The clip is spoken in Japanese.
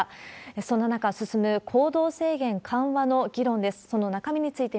そんな中進む行動制限緩和の議論です。